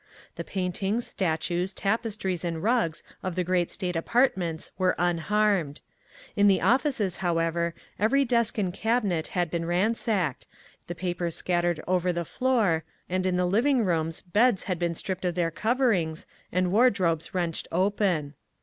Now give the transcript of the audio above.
The paintings, statues, tapestries and rugs of the great state apartments were unharmed; in the offices, however, every desk and cabinet had been ransacked, the papers scattered over the floor, and in the living rooms beds had been stripped of their coverings and ward robes wrenched open.